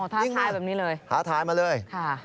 ท้าทายแบบนี้เลยค่ะอ๋อท้าทายมาเลย